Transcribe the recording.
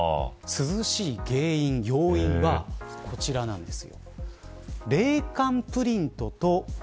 涼しい原因、要因はこちらです。